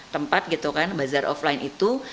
tempat gitu kan bazar offline itu